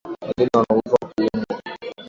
Wageni wanaogopa kuumwa.